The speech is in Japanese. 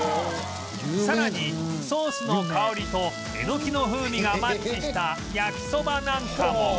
さらにソースの香りとえのきの風味がマッチした焼きそばなんかも